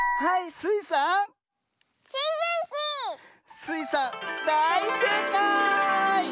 スイさんだいせいかい！